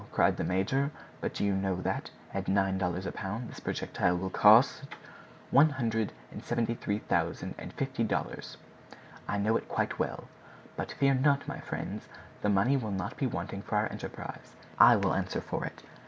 cried the major; "but do you know that, at nine dollars a pound, this projectile will cost—" "One hundred and seventy three thousand and fifty dollars ($173,050). I know it quite well. But fear not, my friends; the money will not be wanting for our enterprise. I will answer for it.